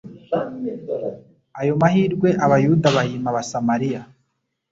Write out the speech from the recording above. Ayo mahirwe Abayuda bayima Abasamaliya,